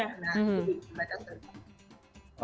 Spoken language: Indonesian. nah jadi mereka sering makan